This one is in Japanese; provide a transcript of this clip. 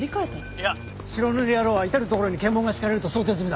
いや白塗り野郎は至る所に検問が敷かれると想定済みだ。